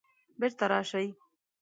بیرته راشئ